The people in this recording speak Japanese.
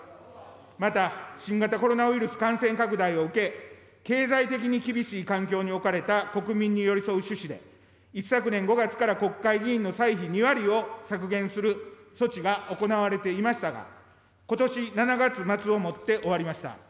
また、新型コロナウイルス感染拡大を受け、経済的に厳しい環境に置かれた国民に寄り添う趣旨で、一昨年５月から国会議員の歳費２割を削減する措置が行われていましたが、ことし７月末をもって終わりました。